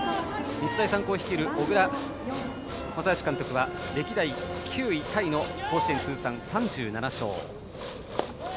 日大三高率いる小倉全由監督は歴代９位タイの甲子園通算３７勝。